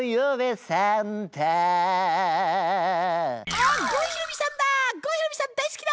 あ郷ひろみさんだ！